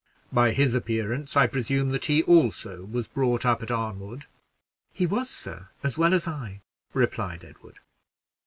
"By his appearance, I presume that he, also, was brought up at Arnwood?" "He was, sir, as well as I," replied Edward.